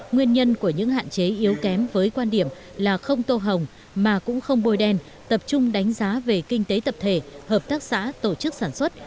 nguyên nhân của những hạn chế yếu kém với quan điểm là không tô hồng mà cũng không bôi đen tập trung đánh giá về kinh tế tập thể hợp tác xã tổ chức sản xuất